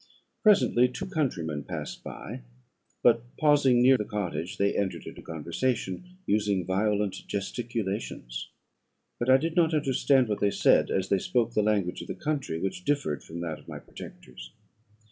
"Presently two countrymen passed by; but, pausing near the cottage, they entered into conversation, using violent gesticulations; but I did not understand what they said, as they spoke the language of the country, which differed from that of my protectors.